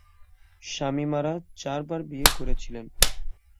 শামীম আরা চারবার বিয়ে করেছিলেন।